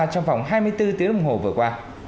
trong vòng hai mươi bốn tiếng đồng hồ vừa qua